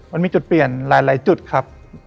มันมีจุดเปลี่ยนหลายจุดครับ